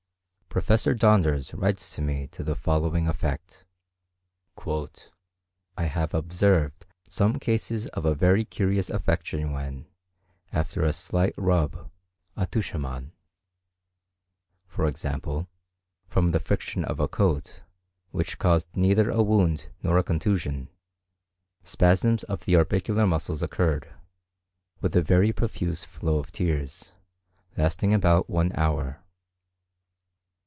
Professor Donders writes to me to the following effect: "I have observed some cases of a very curious affection when, after a slight rub (attouchement), for example, from the friction of a coat, which caused neither a wound nor a contusion, spasms of the orbicular muscles occurred, with a very profuse flow of tears, lasting about one hour.